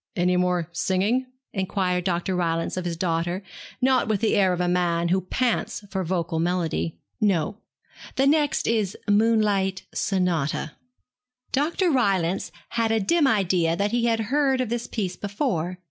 'Any more singing?' inquired Dr. Rylance of his daughter, not with the air of a man who pants for vocal melody. 'No, the next is the "Moonlight Sonata."' Dr. Rylance had a dim idea that he had heard of this piece before.